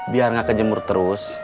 biar nggak kejemur terus